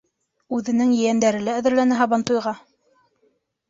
Үҙенең ейәндәре лә әҙерләнә һабантуйға.